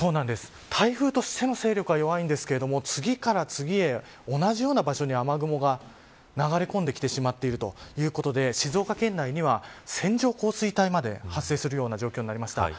台風としての勢力は弱いんですけれど次から次へ同じような場所に雨雲が流れ込んできてしまっていることで静岡県内には、線状降水帯まで発生するような状況になりました。